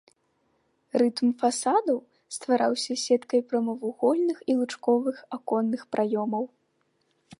Рытм фасадаў ствараўся сеткай прамавугольных і лучковых аконных праёмаў.